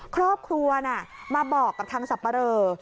ครอบครัวมาบอกกับทางสับปะเรอ